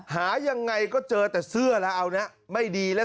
หายังไงก็เจอแต่เสื้อแล้ว